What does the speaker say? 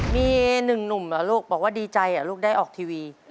มีหนึ่งหนุ่มเหรอลูกบอกว่าดีใจลูกได้ออกทีวี